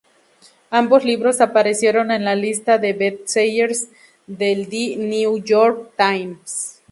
Ambos libros aparecieron en la lista de bestsellers del "The New York Times".